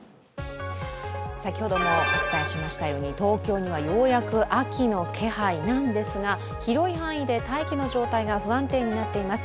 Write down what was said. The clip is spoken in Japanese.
先ほどもお伝えしましたように、東京にはようやく秋の気配なんですが広い範囲で大気の状態が不安定になっています